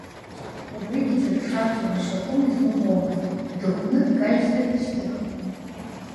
Убригьы дыршаҭон, ишакәым изныҟәомызт, дыхәны дкажьзар дышьҭырхуан.